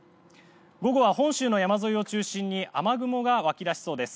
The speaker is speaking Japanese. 午後は本州の山沿いを中心に雨雲が湧きだしそうです。